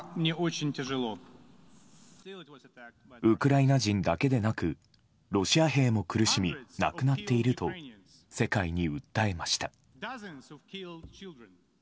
ウクライナ人だけでなくロシア兵も苦しみ亡くなっていると世界に訴えました。